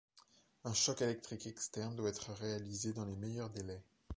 Un choc électrique externe doit être réalisé dans les meilleurs délais.